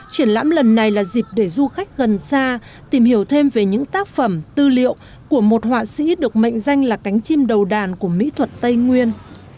triển lãm lần này là dịp để du khách gần xa tìm hiểu thêm về những tác phẩm tư liệu của một họa sĩ được mệnh danh là cánh chim đầu đàn của mỹ thuật tây nguyên